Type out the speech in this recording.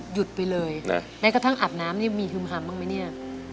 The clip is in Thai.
หยุดไปเลยแม้กระทั่งอาบน้ำนี่มีฮึมฮำบ้างไหมเนี่ย